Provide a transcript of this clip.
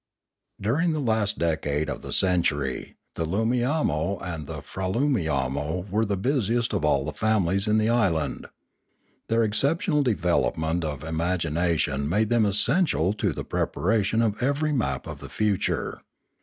During the last decade of the century the Loomiamo and the Fraloomiamo were the busiest of all the families in the island. Their exceptional development of im agination made them essential to the preparation of every map of the future.